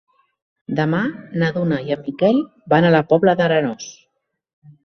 Demà na Duna i en Miquel van a la Pobla d'Arenós.